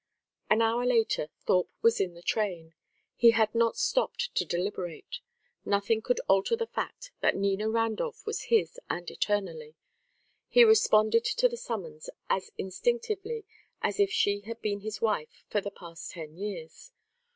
An hour later Thorpe was in the train. He had not stopped to deliberate. Nothing could alter the fact that Nina Randolph was his, and eternally. He responded to the summons as instinctively as if she had been his wife for the past ten years.